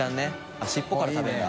あっ尻尾から食べるんだ。